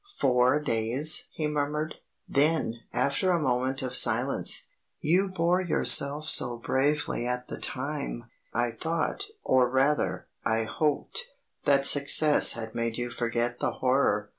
"Four days!" he murmured. Then, after a moment of silence, "You bore yourself so bravely at the time, I thought, or rather, I hoped, that success had made you forget the horror.